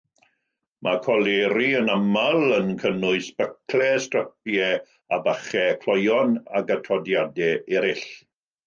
Mae coleri yn aml yn cynnwys byclau, strapiau a bachau, cloeon ac atodiadau eraill.